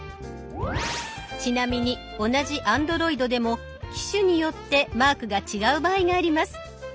ちなみに同じＡｎｄｒｏｉｄでも機種によってマークが違う場合があります。